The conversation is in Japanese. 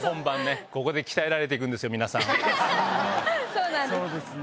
そうなんですね。